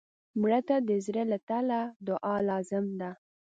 مړه ته د زړه له تله دعا لازم ده